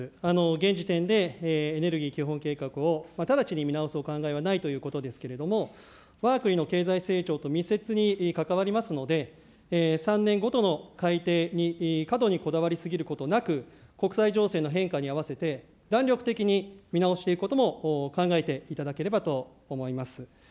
現時点でエネルギー基本計画を直ちに見直すお考えはないということですけれども、わが国の経済成長と密接に関わりますので、３年ごとの改定に過度にこだわり過ぎることなく、国際情勢の変化に合わせて弾力的に見直していくことも考えていただければと思います。